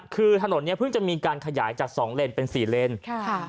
คือถนนเนี่ยเพิ่งจะมีการขยายจาก๒เลนส์เป็น๔เลนส์ค่ะ